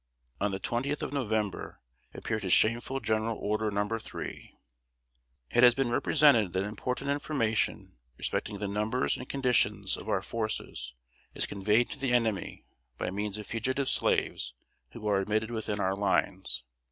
On the 20th of November appeared his shameful General Order Number Three: "It has been represented that important information respecting the numbers and condition of our forces is conveyed to the enemy by means of fugitive slaves who are admitted within our lines.